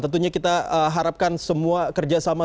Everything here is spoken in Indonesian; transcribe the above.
tentunya kita harapkan semua kerjasama